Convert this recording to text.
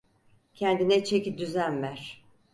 Kendine çeki düzen ver.